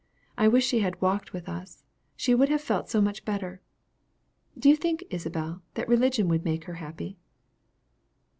I wish she had walked with us she would have felt so much better. Do you think, Isabel, that religion would make her happy?"